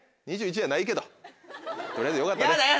２１やないけど取りあえずよかったね。